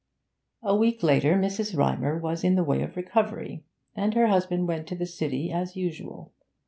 A week later Mrs. Rymer was in the way of recovery, and her husband went to the City as usual.